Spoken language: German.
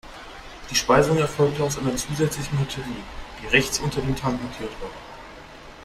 Die Speisung erfolgte aus einer zusätzlichen Batterie, die rechts unter dem Tank montiert war.